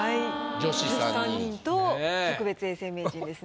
女子３人と特別永世名人ですね。